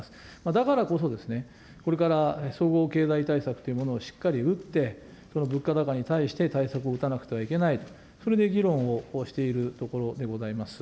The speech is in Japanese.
だからこそですね、これから総合経済対策というものをしっかり打って、この物価高に対して対策を打たなくてはいけないと、それで議論をしているところでございます。